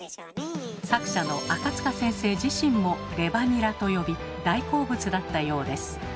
作者の赤塚先生自身も「レバニラ」と呼び大好物だったようです。